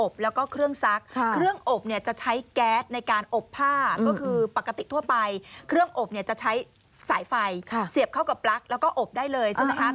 กลายไฟเสียบเข้ากับปลั๊กแล้วก็อบได้เลยใช่ไหมคะ